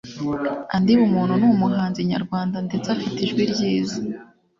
Andy Bumuntu numuhanzi nyarwanda ndetse afite ijwi ryiza